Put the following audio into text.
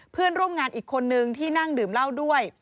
เพื่อนร่วมงานอีกคนนึงที่นั่งดื่มเหล้าด้วย